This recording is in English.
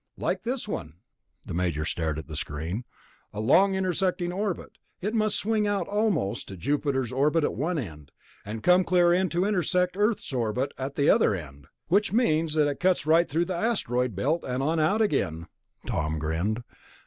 "Like this one." The Major stared at the screen. "A long, intersecting orbit. It must swing out almost to Jupiter's orbit at one end, and come clear in to intersect Earth's orbit at the other end...." "Which means that it cuts right through the Asteroid Belt and on out again." Tom grinned.